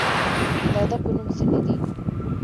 د ادب په نوم څه نه دي